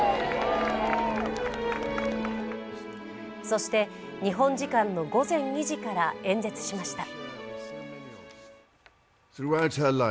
そして、日本時間の午前２時から演説しました。